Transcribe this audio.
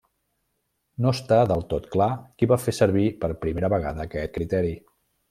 No està del tot clar qui va fer servir per primera vegada aquest criteri.